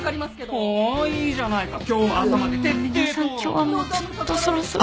今日はもうちょっとそろそろ。